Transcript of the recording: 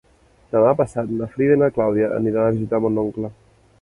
Demà passat na Frida i na Clàudia aniran a visitar mon oncle.